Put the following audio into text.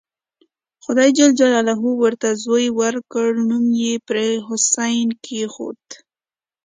خدای ج ورته زوی ورکړ نوم یې پرې حسین کېښود.